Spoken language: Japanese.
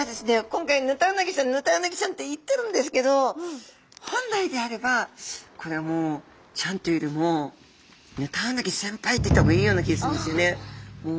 今回ヌタウナギちゃんヌタウナギちゃんって言ってるんですけど本来であればこれはもう「ちゃん」というよりも「ヌタウナギ先輩」って言った方がいいような気がするんですよね。と言った方が。